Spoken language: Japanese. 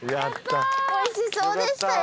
おいしそうでしたよ。